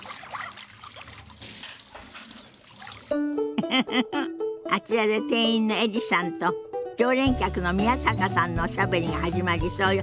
ウフフフあちらで店員のエリさんと常連客の宮坂さんのおしゃべりが始まりそうよ。